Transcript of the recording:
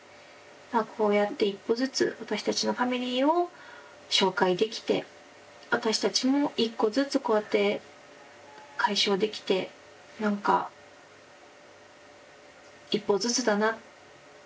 こうやって１歩ずつ私たちのファミリーを紹介できて私たちも１個ずつこうやって解消できて何か１歩ずつだなって実感してます。